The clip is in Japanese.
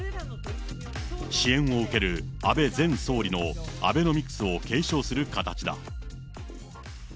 支援を受ける安倍前総理のアベノミクスを継承する形だ。